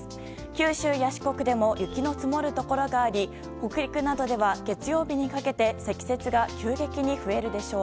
九州や四国でも雪の積もるところがあり北陸などでは月曜日にかけて積雪が急激に増えるでしょう。